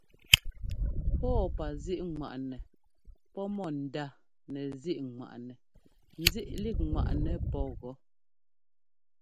Pɔ́ɔpazíꞌŋwaꞌnɛ pɔ́ mɔ ndánɛzíꞌŋwaꞌnɛ nzíꞌlíkŋwaꞌnɛ pɔ́ gɔ́.